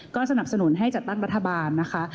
ก็สนับสนุนให้จัดตั้งรัฐบาลนะคะ